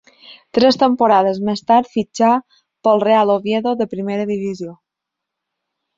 Tres temporades més tard fitxà pel Real Oviedo, de primera divisió.